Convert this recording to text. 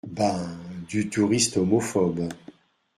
Ben, du touriste homophobe.